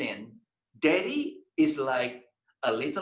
ayah seperti anak kecil